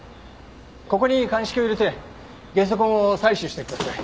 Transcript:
ここに鑑識を入れてゲソ痕を採取してください。